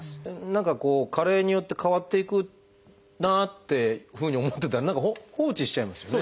何かこう加齢によって変わっていくなあってふうに思ってたら何か放置しちゃいますもんね。